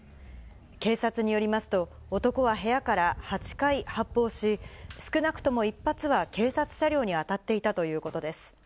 警察によりますと、男は部屋から８回発砲し、少なくとも１発は警察車両に当たっていたということです。